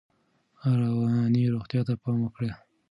رواني روغتیا ته پام وکړئ.